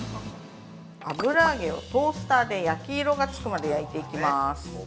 油揚げを焼き色がつくまで焼いていきます。